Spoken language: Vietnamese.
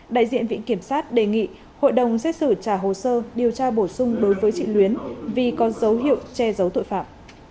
đại diện viện kiểm sát đề nghị hội đồng xét xử trả hồ sơ điều tra bổ sung đối với chị luyến vì có dấu hiệu che giấu tội phạm